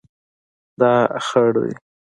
دا خړ دی